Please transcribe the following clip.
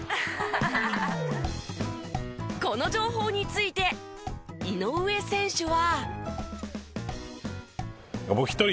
この情報について井上選手は。